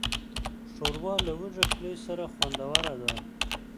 ښوروا له وږې خولې سره خوندوره ده.